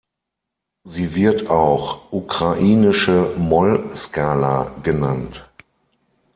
Sie wird auch „Ukrainische Moll-Skala“ genannt.